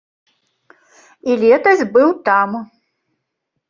І летась быў там.